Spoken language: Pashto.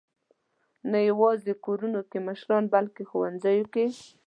نه یواځې کورونو کې مشران، بلکې ښوونځیو.